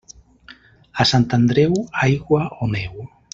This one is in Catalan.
A Sant Andreu, aigua o neu.